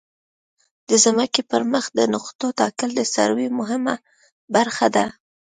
د ځمکې پر مخ د نقطو ټاکل د سروې مهمه برخه ده